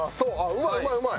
うまいうまいうまい！